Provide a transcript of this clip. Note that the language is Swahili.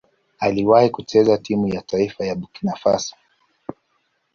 Aliwahi kucheza timu ya taifa ya Burkina Faso.